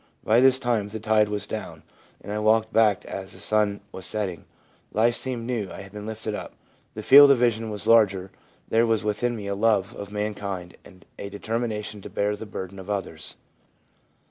By this time the tide was down, and I walked back as the sun was setting ; life seemed new, I had been lifted up, the field of vision was larger, there was within me a love of mankind, and a determination to bear the burden of others.'